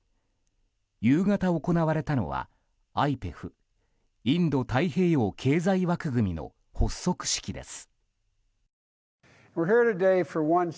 夕方、行われたのはＩＰＥＦ・インド太平洋経済枠組みの発足式です。